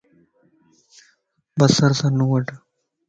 بسر سنووڍ